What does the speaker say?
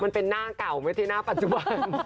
มันเป็นหน้าเก่าไหมที่หน้าปัจจุบัน